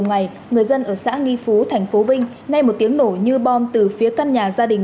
ngày người dân ở xã nghi phú thành phố vinh nghe một tiếng nổ như bom từ phía căn nhà gia đình